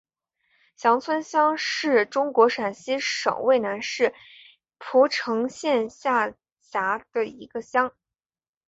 翔村乡是中国陕西省渭南市蒲城县下辖的一个乡。